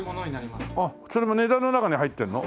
それも値段の中に入ってるの？